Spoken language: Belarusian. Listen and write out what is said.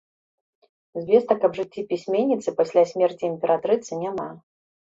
Звестак аб жыцці пісьменніцы пасля смерці імператрыцы няма.